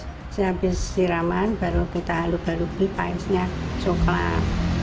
habis siraman baru kita alu alu beli paisnya coklat